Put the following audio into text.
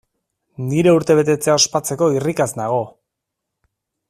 Nire urtebetetzea ospatzeko irrikaz nago!